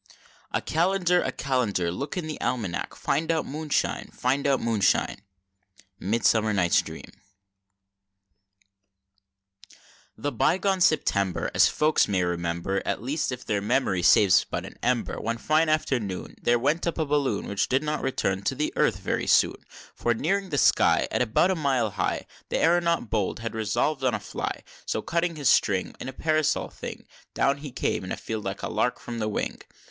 "A Calendar! a Calendar! look in the Almanac, find out moonshine find out moonshine!" Midsummer Night's Dream. I. The by gone September, As folks may remember, At least if their memory saves but an ember, One fine afternoon, There went up a Balloon, Which did not return to the Earth very soon. II. For, nearing the sky, At about a mile high, The Aëronaut bold had resolved on a fly; So cutting his string, In a Parasol thing Down he came in a field like a lark from the wing.